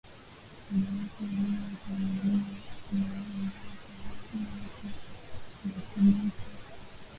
mojawapo ya lugha za familia za Kinilo Sahara inayohusiana na Kidinka na Kinuer